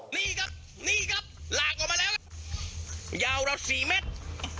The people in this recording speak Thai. นี่ครับนี่ครับหลากออกมาแล้วครับยาวเราสี่เมตร